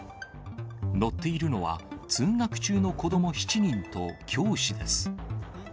乗っているのは、通学中の子ども７人と教師です。